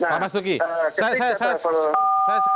pak mas duki saya